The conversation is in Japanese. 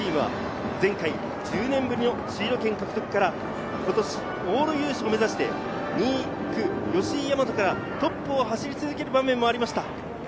前回は１０年ぶりのシード権獲得から今年、往路優勝を目指して吉居大和からトップを走り続ける場面もありました。